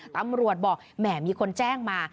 ตำรวจบอกแหมมีคนแจ้งมา